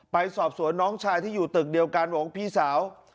ไปสอบสวนน้องชายที่อยู่ตึกเดียวกันบอกว่าพี่สาว